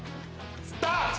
スターツ！